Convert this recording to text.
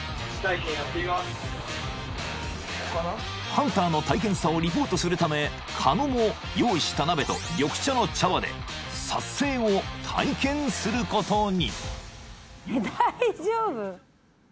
［ハンターの大変さをリポートするため狩野も用意した鍋と緑茶の茶葉で殺青を体験することに］